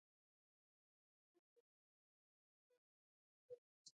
افغانستان د چار مغز په اړه علمي څېړنې لري.